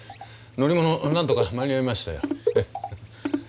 乗り物なんとか間に合いましたよ。